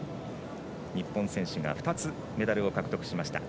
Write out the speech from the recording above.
日本選手が２つメダルを獲得しました。